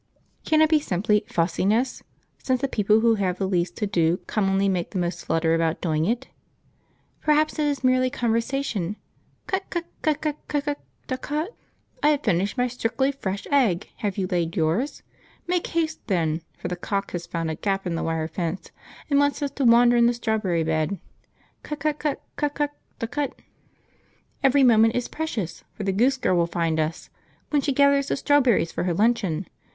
Can it be simply "fussiness"; since the people who have the least to do commonly make the most flutter about doing it? Perhaps it is merely conversation. "Cut cut cut cut cut DAH_cut_! ... I have finished my strictly fresh egg, have you laid yours? Make haste, then, for the cock has found a gap in the wire fence and wants us to wander in the strawberry bed. ... Cut cut cut cut cut DAH_cut_ ... Every moment is precious, for the Goose Girl will find us, when she gathers the strawberries for her luncheon